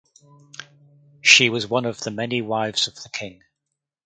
She was one of the many wives of the king.